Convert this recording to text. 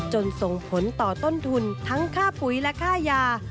ส่งผลต่อต้นทุนทั้งค่าปุ๋ยและค่ายา